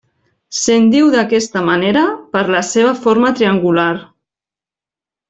Se'n diu d'aquesta manera per la seva forma triangular.